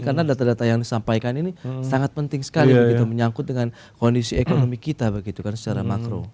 karena data data yang disampaikan ini sangat penting sekali begitu menyangkut dengan kondisi ekonomi kita begitu kan secara makro